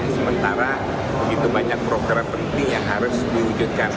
sementara begitu banyak program penting yang harus diwujudkan